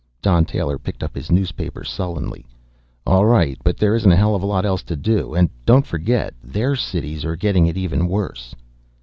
Don Taylor picked up his newspaper sullenly. "All right, but there isn't a hell of a lot else to do. And don't forget, their cities are getting it even worse."